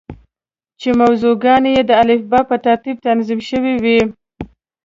چې موضوع ګانې یې د الفبا په ترتیب تنظیم شوې وې.